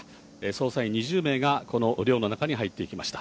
捜査員２０名が、この寮の中に入っていきました。